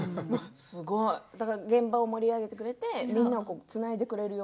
だから現場を盛り上げてくれてみんなをつないでくれる。